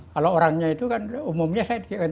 kalau orangnya itu kan umumnya saya tidak kenal